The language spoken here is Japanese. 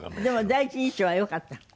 でも第一印象はよかった？